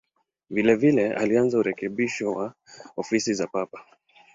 Vilevile alianza urekebisho wa ofisi za Papa.